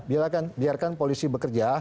ya biarkan polisi bekerja